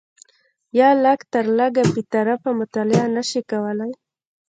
یا لږ تر لږه بې طرفه مطالعه نه شي کولای